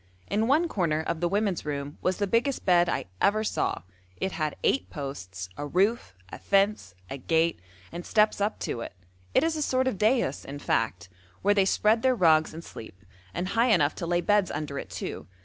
In one corner of the women's room was the biggest bed I ever saw: it had eight posts, a roof, a fence, a gate, and steps up to it; it is a sort of daïs, in fact, where they spread their rugs and sleep, and high enough to lay beds under it too.